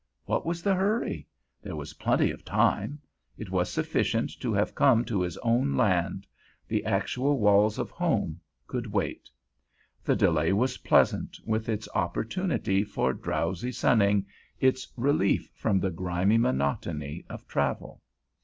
What was the hurry? There was plenty of time. It was sufficient to have come to his own land; the actual walls of home could wait. The delay was pleasant, with its opportunity for drowsy sunning, its relief from the grimy monotony of travel.